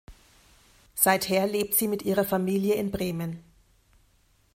Seither lebt sie mit ihrer Familie in Bremen.